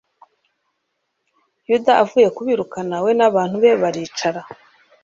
yuda avuye kubirukana we n'abantu be baricara